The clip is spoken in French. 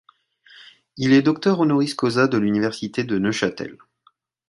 Il est docteur honoris causa de l'université de Neuchâtel.